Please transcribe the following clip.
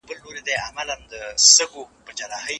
عصري سياست تر پخواني سياست ډېر زيات بدلون موندلی دی.